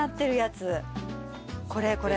これこれ。